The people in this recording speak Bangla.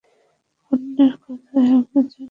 অন্যের কথায় আমরা যেন মোটেই কর্ণপাত না করি।